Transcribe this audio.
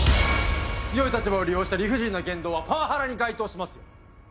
強い立場を利用した理不尽な言動はパワハラに該当しますよ。